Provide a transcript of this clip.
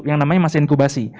yang namanya masa inkubasi